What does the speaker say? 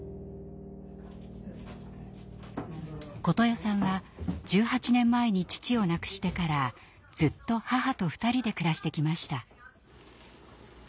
琴世さんは１８年前に父を亡くしてからずっと母と２人で暮らしてきました。